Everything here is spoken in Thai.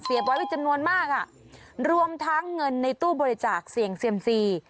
ไว้เป็นจำนวนมากอ่ะรวมทั้งเงินในตู้บริจาคเสี่ยงเซียมซี